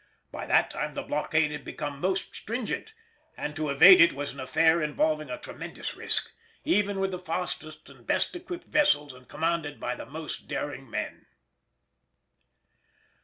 By that time the blockade had become most stringent, and to evade it was an affair involving a tremendous risk, even with the fastest and best equipped vessels and commanded by the most daring men.